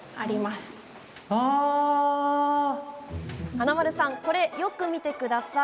華丸さん、よく見てください。